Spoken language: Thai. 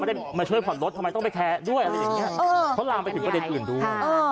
ได้มาช่วยผ่อนรถทำไมต้องไปแคร์ด้วยอะไรอย่างนี้เขาลามไปถึงประเด็นอื่นด้วย